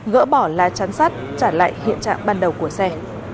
gỡ bỏ lá chắn sắt trả lại hiện trạng ban đầu của xe